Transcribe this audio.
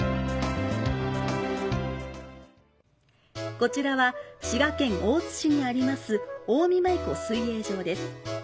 こちらは滋賀県大津市にあります近江舞子水泳場です。